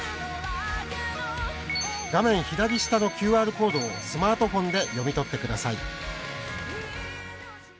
画面左下のＱＲコードをスマートフォンで読み取ってください。